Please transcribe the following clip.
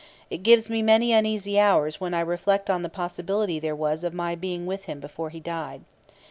It gives me many uneasy hours when I reflect on the possibility there was of my being with him before he died.